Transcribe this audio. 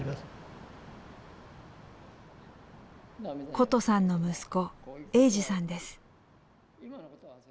ことさんの息子栄司さんです。